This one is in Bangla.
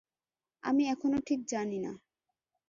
আমি এখনো ঠিক জানি না।